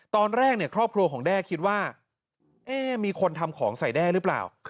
ตอนแรกครอบครัวของแด้คิดว่ามีคนทำของใส่แด้หรือเปล่า